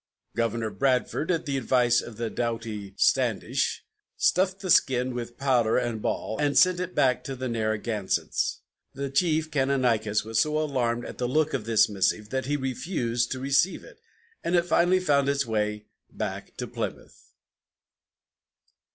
Governor Bradford, at the advice of the doughty Standish, stuffed the skin with powder and ball, and sent it back to the Narragansetts. Their chief, Canonicus, was so alarmed at the look of this missive that he refused to receive it, and it finally found its way back to Plymouth.